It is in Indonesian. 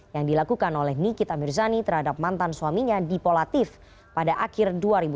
yang dilakukan oleh nikita mirzani terhadap mantan suaminya di polatif pada akhir dua ribu sembilan belas